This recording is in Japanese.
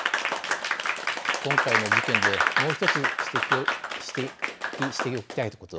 今回の事件で、もう一つ指摘しておきたいこと。